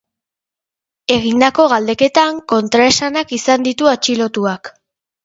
Egindako galdeketan kontraesanak izan ditu atxilotuak.